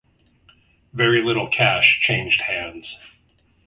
Very little cash changed hands.